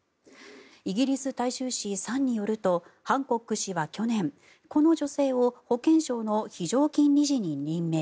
イギリス大衆紙サンによるとハンコック氏は去年この女性を保健省の非常勤理事に任命。